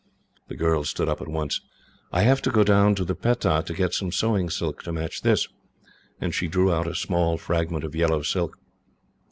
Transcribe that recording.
The girl stood up at once. "I have to go down to the Pettah, to get some sewing silk to match this;" and she drew out a small fragment of yellow silk.